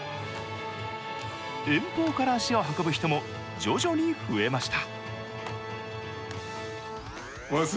遠方から足を運ぶ人も徐々に増えました。